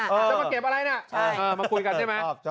เออเออเออชอบชอบชอบชอบชอบชอบชอบชอบชอบ